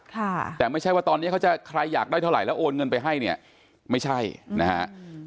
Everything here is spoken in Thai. ค่ะแต่ไม่ใช่ว่าตอนนี้เขาจะใครอยากได้เท่าไหร่แล้วโอนเงินไปให้เนี่ยไม่ใช่นะฮะอืม